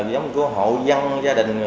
nó giống như hộ dân gia đình cái nhà rộng quá